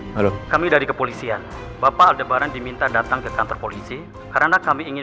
halo kami dari kepolisian bapak aldebaran diminta datang ke kantor polisi karena kami ingin